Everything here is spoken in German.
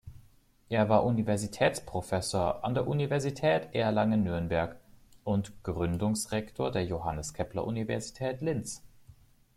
Er war Universitätsprofessor an der Universität Erlangen-Nürnberg und Gründungsrektor der Johannes Kepler Universität Linz.